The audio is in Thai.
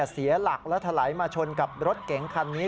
เสียหลักและถลายมาชนกับรถเก๋งคันนี้